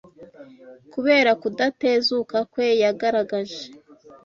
Kubera kudatezuka kwe yagaragaje